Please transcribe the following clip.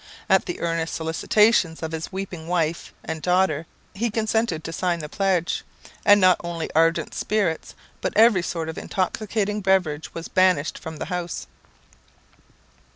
At the earnest solicitations of his weeping wife and daughter he consented to sign the pledge, and not only ardent spirits but every sort of intoxicating beverage was banished from the house.